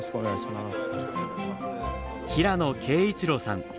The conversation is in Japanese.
平野啓一郎さん。